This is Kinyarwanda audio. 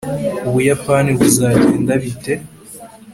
ubuyapani buzagenda bite